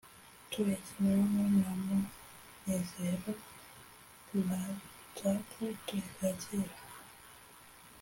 utuye Kimironko na Munezero Radjab utuye Kacyiru